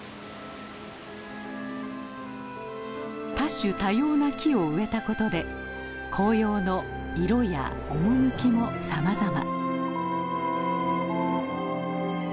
多種多様な木を植えたことで紅葉の色や趣もさまざま。